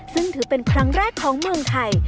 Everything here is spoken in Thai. ซึ่งถือเป็นครั้งแรกของเมืองไทย